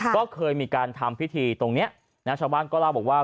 ก็เคยมีการทำพิธีตรงนี้นะชาวบ้านก็เล่าบอกว่า